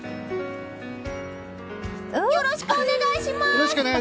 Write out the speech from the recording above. よろしくお願いします！